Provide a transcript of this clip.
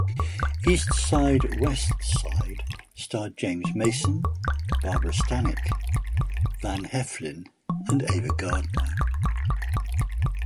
"East Side, West Side" starred James Mason, Barbara Stanwyck, Van Heflin, and Ava Gardner.